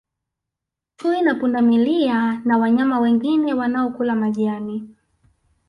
Chui na pundamilia na wanyama wengine wanaokula majani